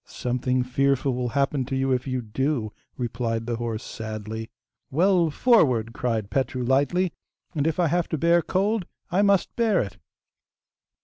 'Something fearful will happen to you if you do,' replied the horse sadly. 'Well, forward!' cried Petru lightly, 'and if I have to bear cold, I must bear it!